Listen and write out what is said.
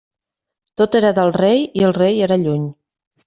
Tot era del rei, i el rei era lluny.